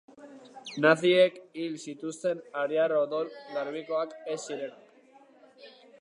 Naziek hil zituzten ariar odol garbikoak ez zirenak.